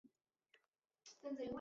号玉溪。